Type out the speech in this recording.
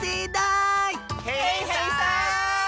へいへいさん！